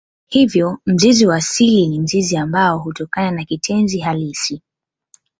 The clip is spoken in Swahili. Hivyo mzizi wa asili ni mzizi ambao hutokana na kitenzi halisi.